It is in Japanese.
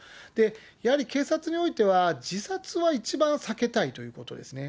やはり警察においては、自殺は一番避けたいということですね。